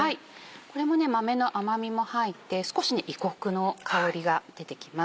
これも豆の甘みも入って少し異国の香りが出てきます。